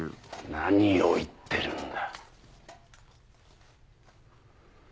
何を言ってるんだ。